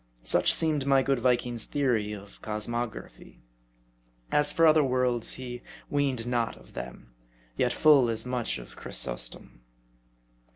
Such seemed my good Viking's theory of cosmography. As for other worlds, he weened not of them ; yet full as much as Chrysostom.